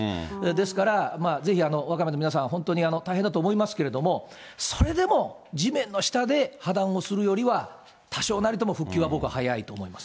ですから、ぜひ和歌山の皆さん、本当に大変だと思いますけれども、それでも地面の下で破断をするよりは、多少なりとも復旧は僕は早いと思います。